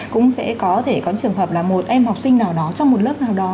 cũng sẽ có thể có trường hợp là một em học sinh nào đó trong một lớp nào đó